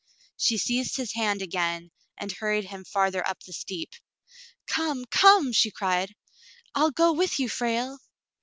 She seized his hand again and hurried him farther up the steep. "Come, come!" she cried. "I'll go with you, Frale."